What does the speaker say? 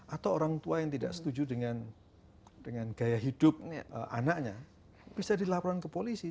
atau orang tua yang tidak setuju dengan gaya hidup anaknya bisa dilaporkan ke polisi